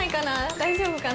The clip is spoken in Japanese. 大丈夫かな？